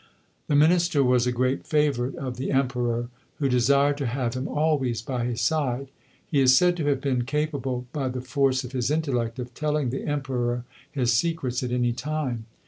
The minister was a great favourite of the Emperor, who desired to have him always by his side. He is said to have been capable by the force of his intellect of telling the Emperor his secrets at any time.